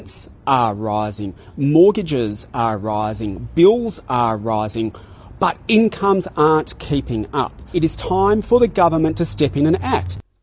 ia adalah waktunya bagi pemerintah untuk berpikir tentang bagaimana australia dapat berbuat lebih baik dalam menangani perbajakan